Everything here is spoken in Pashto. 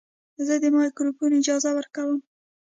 زه د مایکروفون اجازه ورکوم.